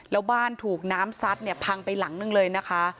แล้วบ้านถูกน้ำซัดเนี่ยพังไปหลังนึงเลยนะคะ